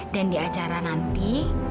dan di acara nanti